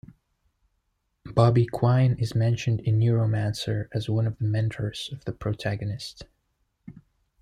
Bobby Quine is mentioned in "Neuromancer" as one of the mentors of the protagonist.